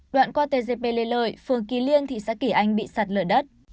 đoạn qua tgp lê lợi phương kỳ liên thị xã kỷ anh bị giặt lở đất